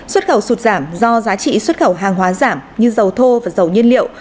xuất khẩu sụt giảm do giá trị xuất khẩu hàng hóa giảm như dầu thô và dầu nhiên liệu